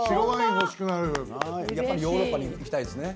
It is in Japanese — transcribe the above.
やっぱりヨーロッパ行きたいですよね。